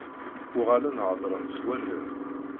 Uɣalen heddren s wallen.